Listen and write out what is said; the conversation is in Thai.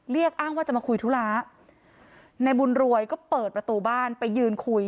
อ้างว่าจะมาคุยธุระในบุญรวยก็เปิดประตูบ้านไปยืนคุย